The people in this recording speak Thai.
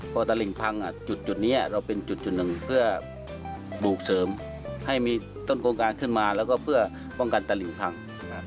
พอตลิ่งพังจุดนี้เราเป็นจุดหนึ่งเพื่อปลูกเสริมให้มีต้นโครงการขึ้นมาแล้วก็เพื่อป้องกันตลิ่งพัง